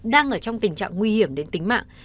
đang ở trong tình trạng nguy hiểm đến tính mạng